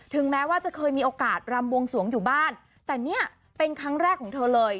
แม้ว่าจะเคยมีโอกาสรำบวงสวงอยู่บ้านแต่เนี่ยเป็นครั้งแรกของเธอเลย